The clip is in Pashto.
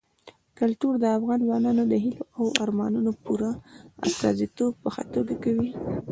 کلتور د افغان ځوانانو د هیلو او ارمانونو پوره استازیتوب په ښه توګه کوي.